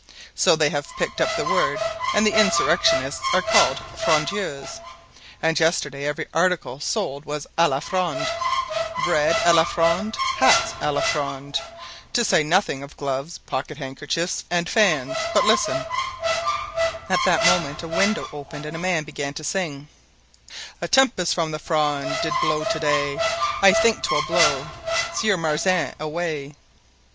So they have picked up the word and the insurrectionists are called 'Frondeurs,' and yesterday every article sold was 'a la Fronde;' bread 'a la Fronde,' hats 'a la Fronde,' to say nothing of gloves, pocket handkerchiefs, and fans; but listen——" At that moment a window opened and a man began to sing: "A tempest from the Fronde Did blow to day: I think 'twill blow Sieur Mazarin away."